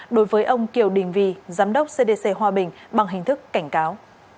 đối với ông kiều đình vì giám đốc cdc hòa bình bằng hình thức cảnh cáo